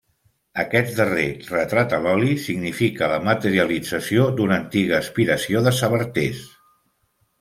Aquest darrer retrat a l'oli significa la materialització d'una antiga aspiració de Sabartés.